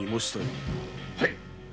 はい！